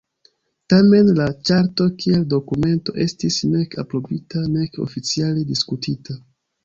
Tamen, la Ĉarto kiel dokumento estis nek aprobita nek oficiale diskutita.